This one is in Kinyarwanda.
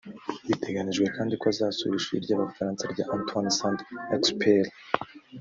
Biteganyijwe kandi ko azasura Ishuri ry’Abafaransa rya Antoine Saint Exupéry